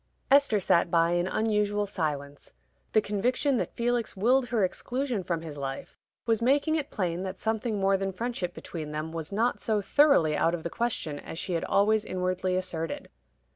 Esther sat by in unusual silence. The conviction that Felix willed her exclusion from his life was making it plain that something more than friendship between them was not so thoroughly out of the question as she had always inwardly asserted.